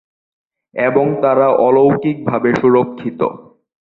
এবং তারা অলৌকিক ভাবে সুরক্ষিত।